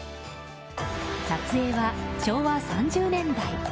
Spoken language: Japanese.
撮影は昭和３０年代。